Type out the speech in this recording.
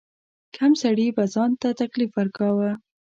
کم سړي به ځان ته تکلیف ورکاوه.